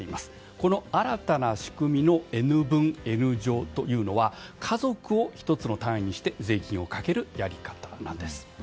この新たな仕組みのＮ分Ｎ乗方式というのは家族を１つの単位にして税金をかけるやり方なんです。